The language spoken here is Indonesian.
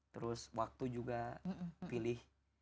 terus waktu juga pilih